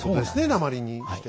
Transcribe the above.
鉛にして。